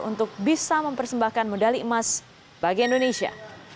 untuk bisa mempersembahkan medali emas bagi indonesia